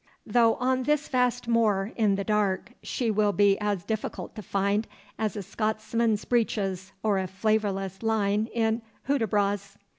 Though on this vast moor, in the dark, she will be as difficult to find as a Scotsman's breeches or a flavourless line in "Hudibras."